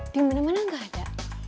di mana mana nggak ada